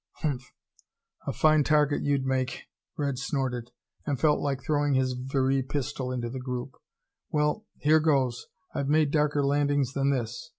"Humph! A fine target you'd make!" Red snorted, and felt like throwing his Very pistol into the group. "Well, here goes! I've made darker landings than this.